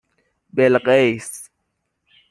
بِلقیس